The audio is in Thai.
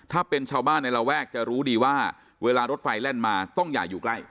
ถ้าเป็นชาวบ้านในระแวกจะรู้ดีว่าเวลารถไฟแล่นมาต้องอย่าอยู่ใกล้